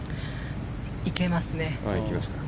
行けますね。